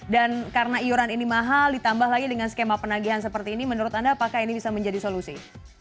dan karena iuran ini mahal ditambah lagi dengan skema penagihan seperti ini menurut anda apakah ini bisa menjadi solusi